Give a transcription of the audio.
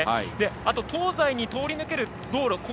あと、東西に通り抜ける道路。